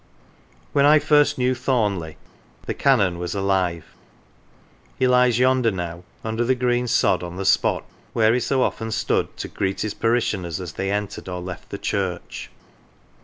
When I first knew Thornleigh " the Canon " was alive. He lies yonder now, under the green sod, on the spot where he so often stood to greet his parishioners as they entered or left the church.